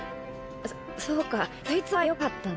そそうかそいつはよかったな。